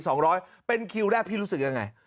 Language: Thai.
สองร้อยเป็นคิวแรกพี่รู้สึกยังไง